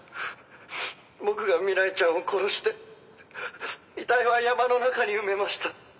「僕が未来ちゃんを殺して遺体は山の中に埋めました」